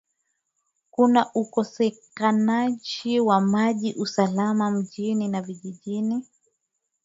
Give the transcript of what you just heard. Kuna ukosekanaji wa maji salama mjini na vijijini